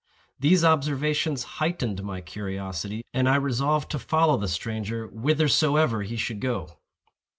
These observations heightened my curiosity, and I resolved to follow the stranger whithersoever he should go.